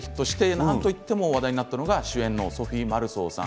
なんといっても話題になったのが主演のソフィー・マルソーさん。